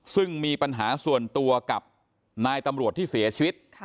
ซึ่งมีปัญหาส่วนตัวกับนายตำรวจที่เสียชีวิต